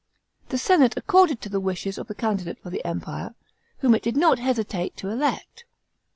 The senate acceded to the wishes of the candidate for the Empire, whom it did not hesitate to elect.